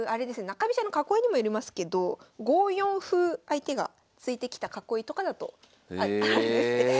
中飛車の囲いにもよりますけど５四歩相手が突いてきた囲いとかだとあるんですね。